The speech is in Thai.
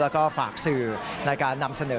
แล้วก็ฝากสื่อในการนำเสนอ